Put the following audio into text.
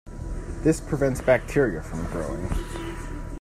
This prevents bacteria from growing.